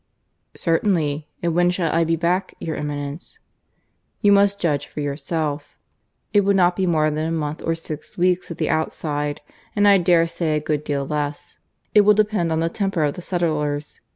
"Certainly. And when shall I be back, your Eminence?" "You must judge for yourself. It will not be more than a month or six weeks at the outside, and I dare say a good deal less. It will depend on the temper of the settlers.